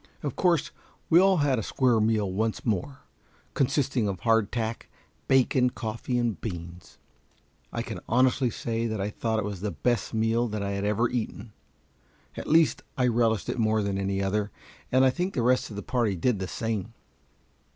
Of course we all had a square meal once more, consisting of hardtack, bacon, coffee, and beans. I can honestly say that I thought it was the best meal that I had ever eaten; at least I relished it more than any other, and I think the rest of the party did the same.